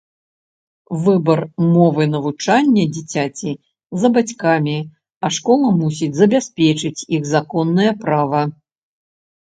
Выбар мовы навучання дзіцяці за бацькамі, а школа мусіць забяспечыць іх законнае права.